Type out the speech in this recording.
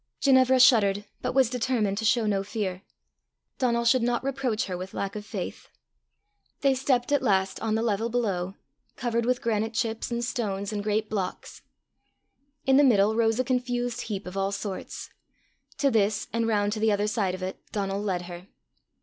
Ginevra shuddered, but was determined to show no fear: Donal should not reproach her with lack of faith! They stepped at last on the level below, covered with granite chips and stones and great blocks. In the middle rose a confused heap of all sorts. To this, and round to the other side of it, Donal led her.